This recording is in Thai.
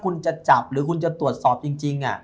กูจะจับหรือตรวจสอบจริง